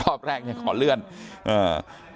รอบแรกเนี่ยขอเลื่อนเอ่อ